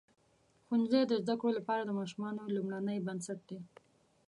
ښوونځی د زده کړو لپاره د ماشومانو لومړنۍ بنسټ دی.